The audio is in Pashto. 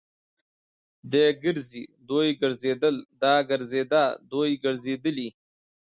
دی ګرځي. دوی ګرځيدل. دا ګرځيده. دوی ګرځېدلې.